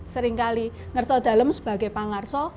seringkali ngerso dalem sebagai pangarso